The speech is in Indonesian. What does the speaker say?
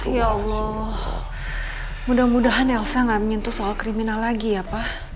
ya allah mudah mudahan elsa gak menyentuh soal kriminal lagi ya pak